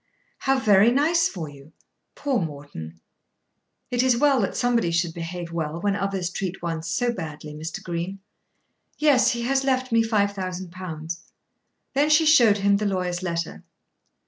"How very nice for you. Poor Morton!" "It is well that somebody should behave well, when others treat one so badly, Mr. Green. Yes; he has left me five thousand pounds." Then she showed him the lawyer's letter.